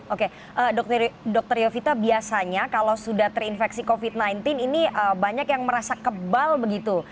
oke dokter yovita biasanya kalau sudah terinfeksi covid sembilan belas ini banyak yang merasa kebal begitu